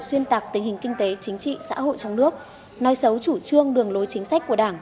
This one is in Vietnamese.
xuyên tạc tình hình kinh tế chính trị xã hội trong nước nói xấu chủ trương đường lối chính sách của đảng